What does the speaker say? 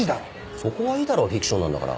そこはいいだろフィクションなんだから。